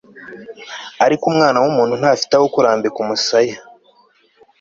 ariko umwana w'umuntu ntafite aho kurambika umusaya